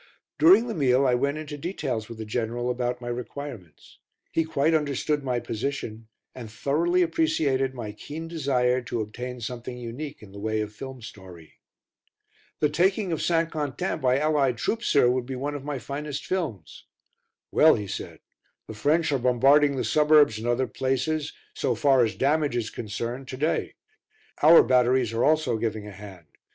During the meal I went into details with the General about my requirements. He quite understood my position and thoroughly appreciated my keen desire to obtain something unique in the way of film story. "The taking of St. Quentin by the Allied troops, sir, would be one of my finest films." "Well," he said, "the French are bombarding the suburbs and other places, so far as damage is concerned, to day; our batteries are also giving a hand.